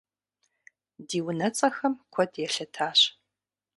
Ди унэцӀэхэм куэд елъытащ.